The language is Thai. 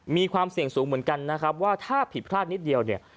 มีความเสี่ยงสูงเหมือนกันนะครับว่าถ้าผิดพลาดนิดเดียวเนี่ย